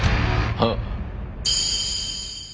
あっ！